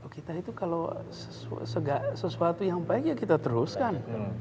kita itu kalau sesuatu yang baik ya kita teruskan